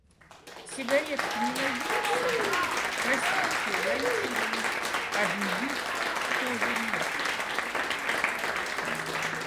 «Сигаретки не найдётся?» — «Простите, я не курю». — «А жиги?» — «Тоже нет».